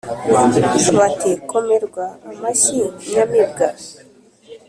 bati :« komerwa amashyi nyamibwa,